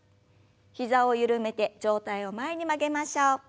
膝を緩めて上体を前に曲げましょう。